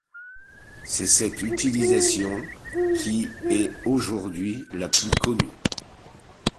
C'est cette utilisation qui est aujourd'hui la plus connue.